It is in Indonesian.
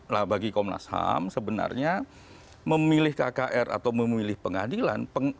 nah bagi komnas ham sebenarnya memilih kkr atau memilih kkr itu harus diperoleh